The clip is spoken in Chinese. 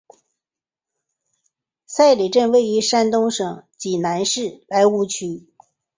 寨里镇位于山东省济南市莱芜区。